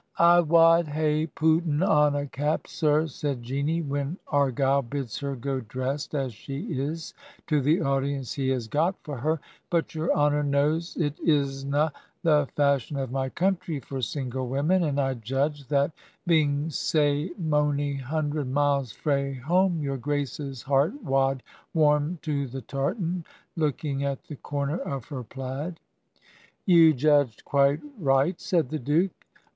105 Digitized by VjOOQIC HEROINES OF FICTION "'I wad hae putten on a cap, sir/ said Jeanie, when Argyle bids her go dressed as she is to the audience he has got for her, ' but your honor knows it isna the fash ion of my country for single women; and I judged that being sae mony hundred miles frae home, your Grace's heart wad warm to the tartan/ looking at the comer of her plaid. 'You judged quite right/ said the Duke.